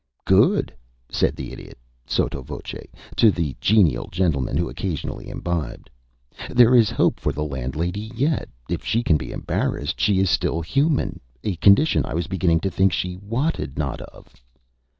"Good!" said the Idiot, sotto voce, to the genial gentleman who occasionally imbibed. "There is hope for the landlady yet. If she can be embarrassed she is still human a condition I was beginning to think she wotted not of."